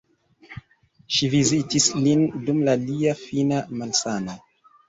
Ŝi vizitis lin dum lia fina malsano.